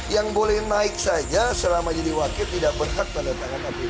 yang boleh naik saja selama jadi wakil tidak berhak pada tangan kpu